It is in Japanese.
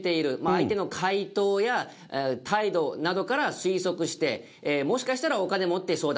相手の回答や態度などから推測してもしかしたらお金持ってそうだと。